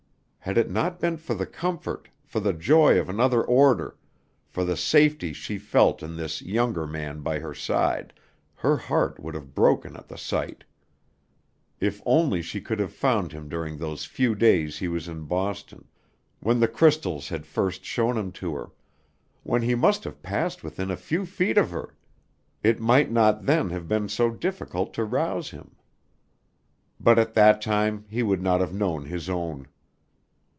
Had it not been for the comfort, for the joy of another order, for the safety she felt in this younger man by her side, her heart would have broken at the sight. If only she could have found him during those few days he was in Boston when the crystals had first shown him to her when he must have passed within a few feet of her, it might not then have been so difficult to rouse him. But at that time he would not have known his own.